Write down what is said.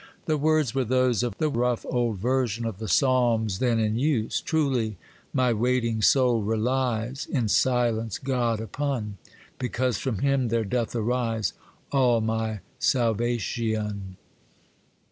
The words were those of the rough old version of the psalms then in use:— 'Truly my waiting soul relies In silence God upon: Because from him there doth arise All my salvation.